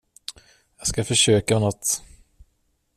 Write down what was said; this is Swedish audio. Jag ska försöka med något.